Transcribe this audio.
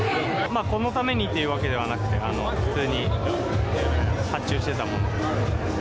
このためにというわけではなくて、普通に発注していたもの。